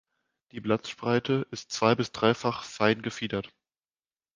Die Blattspreite ist zwei- bis dreifach fein gefiedert.